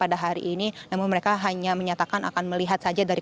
pada hari ini namun mereka hanya menyatakan akan melihat saja dari